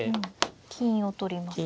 金を取りますね。